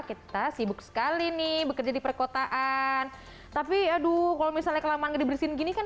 kita sibuk sekali nih bekerja di perkotaan tapi aduh kalau misalnya kelamaan dibersihin gini kan